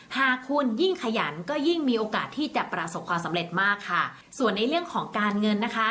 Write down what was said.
หากคุณยิ่งขยันก็ยิ่งมีโอกาสที่จะประสบความสำเร็จมากค่ะส่วนในเรื่องของการเงินนะคะ